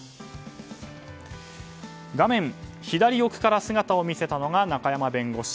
画面左奥から姿を見せたのが中山弁護士。